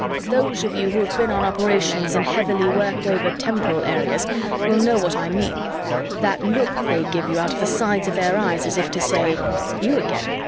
Those of you who have been on operations in heavily worked over temporal areas will know what I mean that look they give you out of the sides of their eyes as if to say, 'You again?